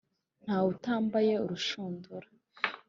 nta wutambaye urushundura,